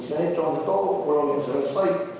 misalnya contoh pulau yang selesai